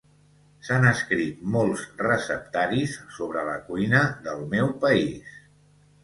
S'han escrit molts receptaris sobre la cuina del meu país